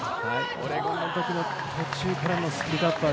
オレゴンのときの途中からのスピードアップは